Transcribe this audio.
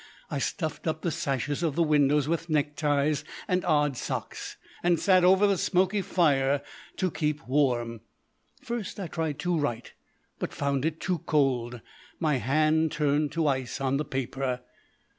I stuffed up the sashes of the windows with neckties and odd socks, and sat over the smoky fire to keep warm. First I tried to write, but found it too cold. My hand turned to ice on the paper.